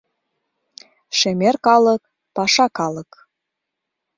Шемер калык — паша калык